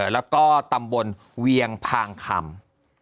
แล้วก็ตำบลเวียงพางคำ